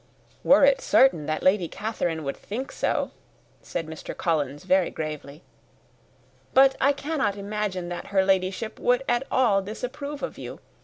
"Were it certain that Lady Catherine would think so," said Mr. Collins, very gravely "but I cannot imagine that her Ladyship would at all disapprove of you.